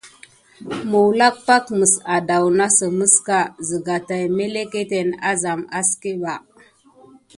Məwlak pak mes addawnasəmeska, zəga taï mélékéténe azam aské mɓa.